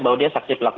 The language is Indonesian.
bahwa dia saksi pelaku